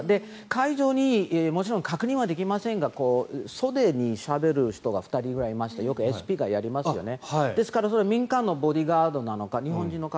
会場にもちろん確認はできませんが袖にしゃべる人が２人くらいいましてよくＳＰがやりますよね。